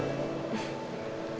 ah sesuatu pertama kali sulit estrutur